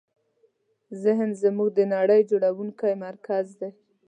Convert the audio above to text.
ذهن زموږ د نړۍ جوړوونکی مرکز دی.